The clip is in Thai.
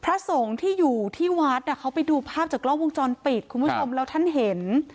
พระสงฆ์ที่อยู่ที่วัดเขาไปดูภาพจากกล้องวงจรปิดคุณผู้ชมแล้วท่านเห็น